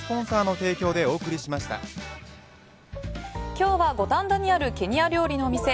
今日は五反田にあるケニア料理のお店